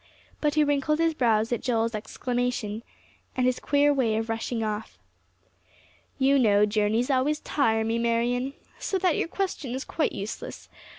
But he wrinkled his brows at Joel's exclamation, and his queer way of rushing off. "You know journeys always tire me, Marian. So that your question is quite useless.